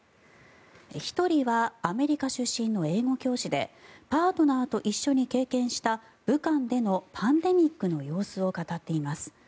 １人はアメリカ出身の英語教師でパートナーと一緒に経験した武漢でのパンデミックの様子を語っています。